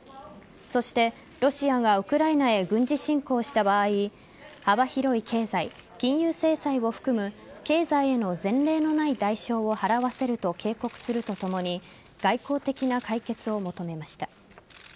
そして、ロシアがウクライナへ軍事侵攻した場合幅広い経済・金融制裁を含む経済への前例のない代償を払わせると警告するとともに外交的な解決を求めました。